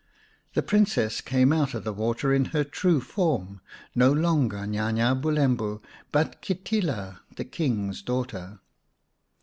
The Princess came out of the water in her true form no longer Nya nya Bulembu, but Kitila, the King's daughter.